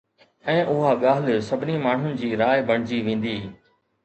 ۽ اها ڳالهه سڀني ماڻهن جي راءِ بڻجي ويندي